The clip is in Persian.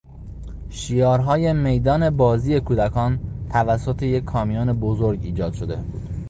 شیارهای میدان بازی کودکان توسط یک کامیون بزرگ ایجاد شده بود.